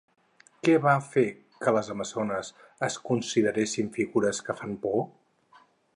Què va fer que les amazones es consideressin figures que fan por?